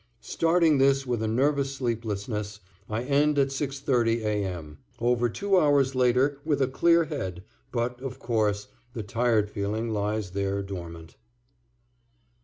Starting this with a nervous sleeplessness, I end at 6:30 A. M., over two hours later with a clear head, but, of course, the tired feeling lies there dormant.